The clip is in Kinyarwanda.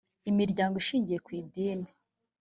imiryango ishingiye ku idini